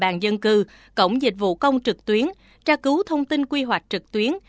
làng dân cư cổng dịch vụ công trực tuyến tra cứu thông tin quy hoạch trực tuyến